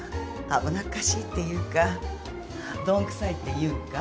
危なっかしいっていうか鈍くさいっていうか？